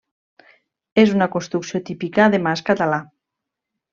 És una construcció típica de mas català.